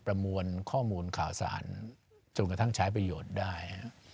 ประมวลข้อมูลข่าวสารจนกระทั่งใช้ประโยชน์ได้